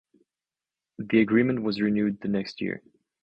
The agreement was renewed the next year.